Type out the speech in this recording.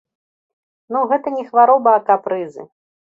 Ну, гэта не хвароба, а капрызы.